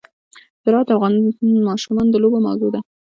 زراعت د افغان ماشومانو د لوبو موضوع ده.